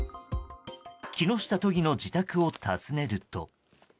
木下都議の自宅を訪ねると。